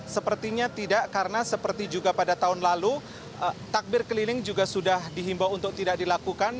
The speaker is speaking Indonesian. sepertinya tidak karena seperti juga pada tahun lalu takbir keliling juga sudah dihimbau untuk tidak dilakukan